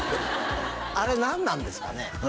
あれ何なんですかね？